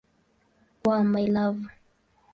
wa "My Love".